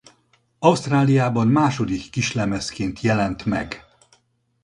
Ausztráliában második kislemezként jelent meg.